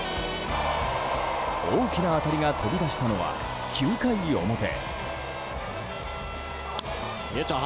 大きな当たりが飛び出したのは９回表。